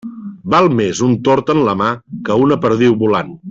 Val més un tord en la mà que una perdiu volant.